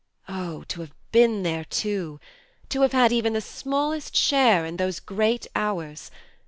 Oh, to have been there too ! To have had even the smallest share in those great hours